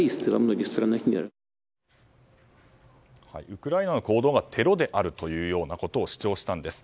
ウクライナの行動がテロであるというようなことを主張したんです。